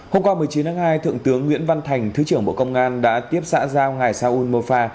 hôm qua một mươi chín tháng hai thượng tướng nguyễn văn thành thứ trưởng bộ công an đã tiếp xã giao ngài sao ún mô pha